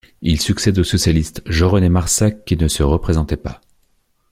Il succède au socialiste Jean-René Marsac qui ne se représentait pas.